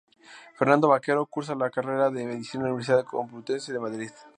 Fernando Baquero cursa la carrera de Medicina en la Universidad Complutense de Madrid.